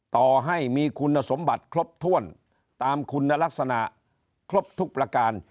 ต่อให้มีคุณสมบัติครบถ้วนตามคุณลักษณะครบทุกประการ